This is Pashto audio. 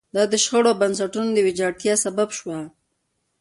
دا د شخړو او بنسټونو د ویجاړتیا سبب شوه.